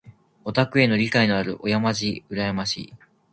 オタクへの理解のある親まじ羨ましい。